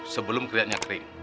sebelum krianya krim